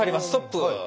ストップ。